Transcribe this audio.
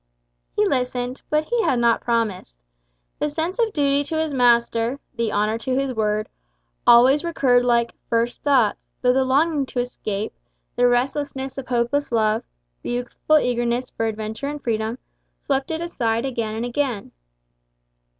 He listened, but he had not promised. The sense of duty to his master, the honour to his word, always recurred like "first thoughts," though the longing to escape, the restlessness of hopeless love, the youthful eagerness for adventure and freedom, swept it aside again and again.